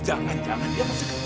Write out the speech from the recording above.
jangan jangan dia masih kecil itu